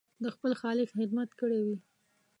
د خپل خالق خدمت کړی وي.